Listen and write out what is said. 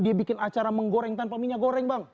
dia bikin acara menggoreng tanpa minyak goreng bang